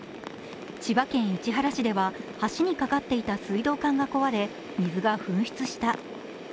千葉県市原市では橋にかかっていた水道管が壊れ水が噴出した。